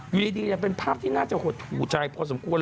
อยู่ดีเป็นภาพที่น่าจะหดหูใจพอสมควร